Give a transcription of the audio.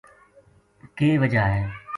کے وجہ ہے